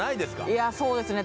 いやそうですね